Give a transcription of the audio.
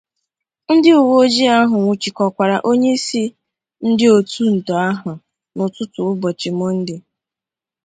ndị uweojii ahụ nwụchikọkwara onyeisi ndị òtù ntọ ahụ n'ụtụtụ ụbọchị Mọnde